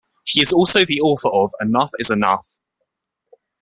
He is also the author of Enough is enough!